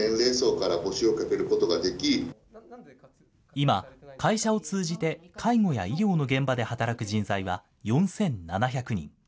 今、会社を通じて介護や医療の現場で働く人材は４７００人。